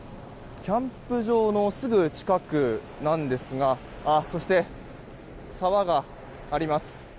キャンプ場のすぐ近くなんですがそして、沢があります。